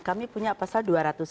kami punya pasal dua ratus lima belas